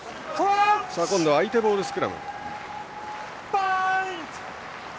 今度は相手ボールのスクラム。